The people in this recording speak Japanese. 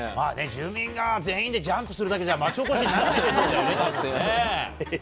住民が全員でジャンプするだけじゃ、町おこしにならないでしょうね、たぶんね。